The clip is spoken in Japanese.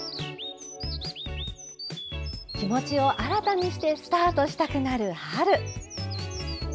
気持ちを新たにしてスタートしたくなる春。